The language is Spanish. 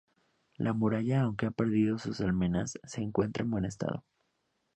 La muralla aunque ha perdido sus almenas se encuentra en buen estado.